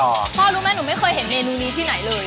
พ่อรู้ไหมหนูไม่เคยเห็นเมนูนี้ที่ไหนเลย